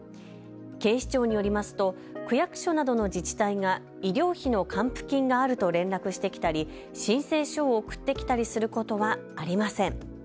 警視庁によりますと区役所などの自治体が医療費の還付金があると連絡してきたり申請書を送ってきたりすることはありません。